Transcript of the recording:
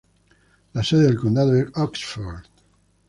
La sede del condado es Oxford.